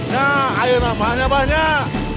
ya ayo nah banyak banyak